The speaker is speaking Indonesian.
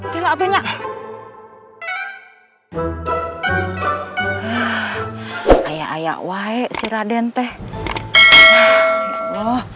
tidak ada yang